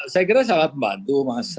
saya kira sangat membantu mas